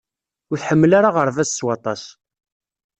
Ur tḥemmel ara aɣerbaz s waṭas.